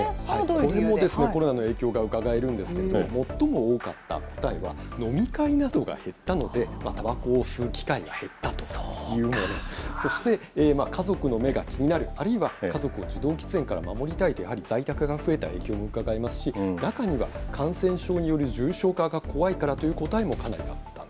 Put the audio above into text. これもコロナの影響がうかがえるんですけれども、最も多かったのは飲み会などが減ったので、たばこを吸う機会が減ったというもの、そして、家族の目が気になる、あるいは家族を受動喫煙から守りたいと、やはり在宅が増えた影響もうかがえますし、中には感染症による重症化が怖いからという答えもかなりあったん